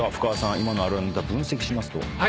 今のあるあるネタ分析しますと？